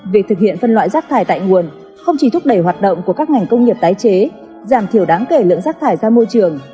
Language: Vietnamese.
việc thực hiện phân loại rác thải tại nguồn không chỉ thúc đẩy hoạt động của các ngành công nghiệp tái chế giảm thiểu đáng kể lượng rác thải ra môi trường